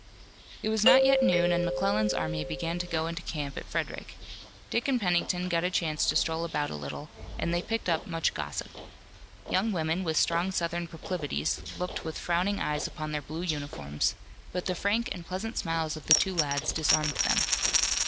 It was not yet noon and McClellan's army began to go into camp at Frederick. Dick and Pennington got a chance to stroll about a little, and they picked up much gossip. Young women, with strong Southern proclivities, looked with frowning eyes upon their blue uniforms, but the frank and pleasant smiles of the two lads disarmed them.